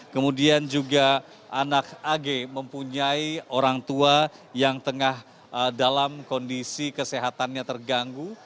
kemudian juga anak ag mempunyai orang tua yang tengah dalam kondisi kesehatannya terganggu